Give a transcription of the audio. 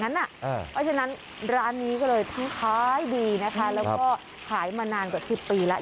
เพราะฉะนั้นร้านนี้ก็เลยทั้งขายดีนะคะแล้วก็ขายมานานกว่า๑๐ปีแล้ว